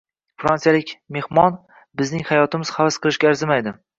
Fransiyalik mehmon: “Bizning hayotimiz havas qilishga arzimaydi”